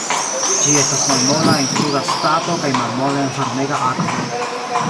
Ĝi estas malmola en kruda stato kaj malmola en varmega akvo.